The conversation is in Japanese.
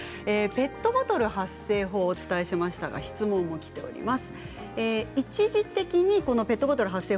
ペットボトル発声法をお伝えしました質問もきています。